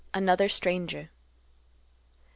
ANOTHER STRANGER. Mr.